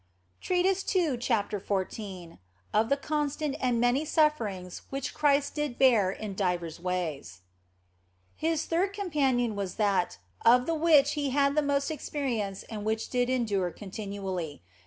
OF FOLIGNO 71 CHAPTER XIV OF THE CONSTANT AND MANY SUFFERINGS WHICH CHRIST DID BEAR IN DIVERS WAYS His third companion was that of the which He had the most experience and which did endure continually.